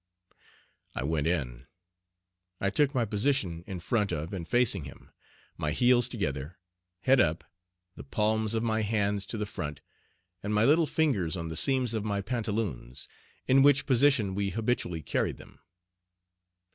I went in. I took my position in front of and facing him, my heels together, head up, the palms of my hands to the front, and my little fingers on the seams of my pantaloons, in which position we habitually carried them.